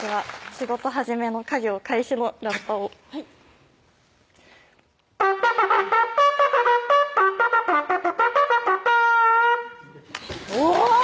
仕事始めの課業開始のラッパをうお！